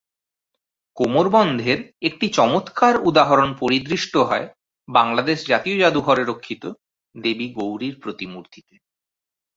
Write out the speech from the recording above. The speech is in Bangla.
কোমরবন্ধের একটি চমৎকার উদাহরণ পরিদৃষ্ট হয় বাংলাদেশ জাতীয় জাদুঘরে রক্ষিত দেবী গৌরীর প্রতিমূর্তিতে।